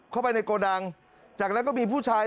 เข้าไปในโกดังจากนั้นก็มีผู้ชาย